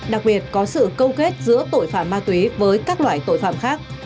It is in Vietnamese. đặc biệt có sự câu kết giữa tội phạm ma túy với các loại tội phạm khác